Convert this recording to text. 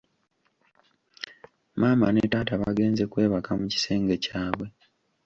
Maama ne taata bagenze kwebaka mukisenge kyabwe.